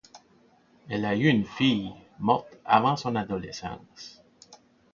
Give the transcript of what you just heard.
Elle a eu une fille, morte avant son adolescence.